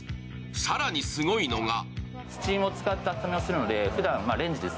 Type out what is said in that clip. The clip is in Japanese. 更にすごいのが。